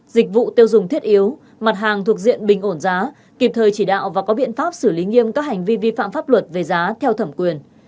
dịch vụ tiêu dùng thiết yếu mặt hàng thuộc diện bình ổn giá kịp thời chỉ đạo và có biện pháp xử lý nghiêm các hành vi vi phạm pháp luật về giá theo thẩm quyền